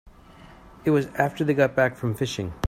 It was after they got back from fishing.